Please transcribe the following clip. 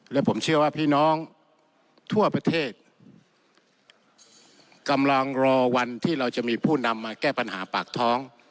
และผมเชื่อว่าพี่น้องทั่วประเทศกำลังรอวันที่เราจะมีผู้นำมาแก้ปัญหาปากท้อง